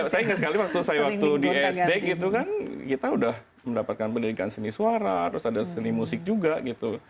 saya ingat sekali waktu saya waktu di sd gitu kan kita udah mendapatkan pendidikan seni suara terus ada seni musik juga gitu